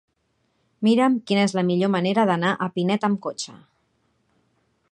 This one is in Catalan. Mira'm quina és la millor manera d'anar a Pinet amb cotxe.